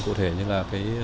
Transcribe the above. cụ thể như là